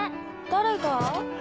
誰が？